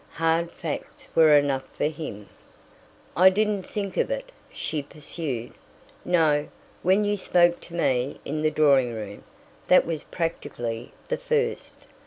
Hard facts were enough for him. "I didn't think of it," she pursued. "No; when you spoke to me in the drawing room, that was practically the first.